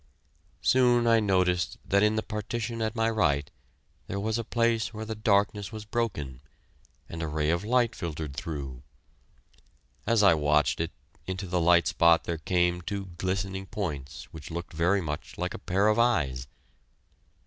Soon I noticed that in the partition at my right there was a place where the darkness was broken, and a ray of light filtered through. As I watched it, into the light spot there came two glistening points which looked very much like a pair of eyes.